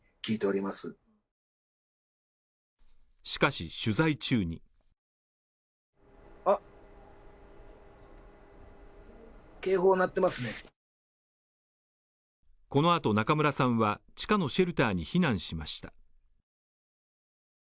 しかし、取材中にこのあと中村さんは、地下のシェルターに避難しました。